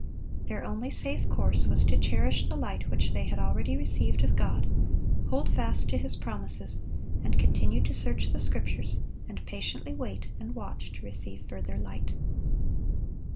Their only safe course was to cherish the light which they had already received of God, hold fast to His promises, and continue to search the Scriptures, and patiently wait and watch to receive further light.